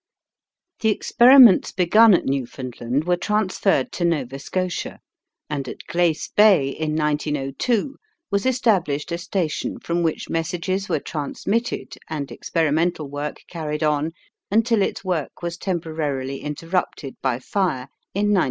The experiments begun at Newfoundland were transferred to Nova Scotia, and at Glace Bay in 1902 was established a station from which messages were transmitted and experimental work carried on until its work was temporarily interrupted by fire in 1909.